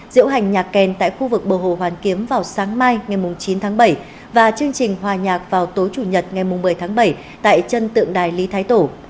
diễu hành nhạc kèn tại khu vực bờ hồ hoàn kiếm vào sáng mai ngày chín tháng bảy và chương trình hòa nhạc vào tối chủ nhật ngày một mươi tháng bảy tại chân tượng đài lý thái tổ